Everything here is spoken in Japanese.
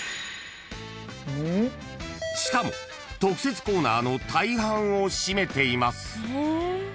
［しかも特設コーナーの大半を占めています］